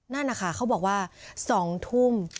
นั่นนะคะเขาบอกว่า๒ทุ่ม